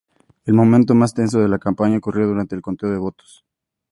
El momento más tenso de la campaña ocurrió durante el conteo de votos.